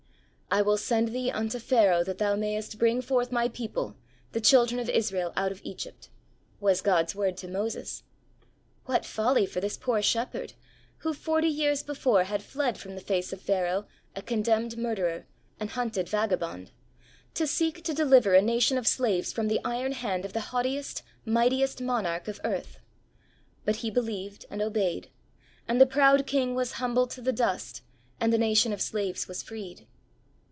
" I will send thee unto Pharaoh that thou mayest bring forth My people, the children of Israel out of Egypt," was God's word to Moses. What folly for this poor shepherd, who forty years before had fled from the face of Pharaoh a condemned murderer and hunted vagabond, to seek to deliver a nation of slaves from the iron hand of the haughtiest, mightiest monarch of earth ! But he believed and obeyed and the proud king was humbled to the dust and the nation of slaves was freed.